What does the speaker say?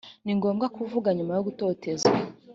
ni ngombwa kuvuga nyuma yo gutotezwa.